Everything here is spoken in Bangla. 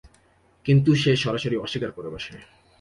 কিন্তু সে সরাসরি অস্বীকার করে বসে।